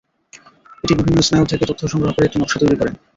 এটি বিভিন্ন স্নায়ু থেকে তথ্য সংগ্রহ করে একটি নকশা তৈরি করে।